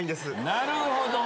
なるほど。